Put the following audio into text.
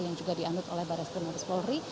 yang juga dianud oleh baria skrim mampis polri